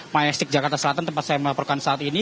mayastik jakarta selatan tempat saya melaporkan saat ini